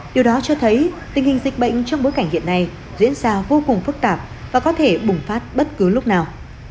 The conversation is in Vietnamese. điều đó cho thấy tình hình dịch bệnh trong bối cảnh hiện nay diễn ra vô cùng phức tạp và có thể bùng phát bất cứ lúc nào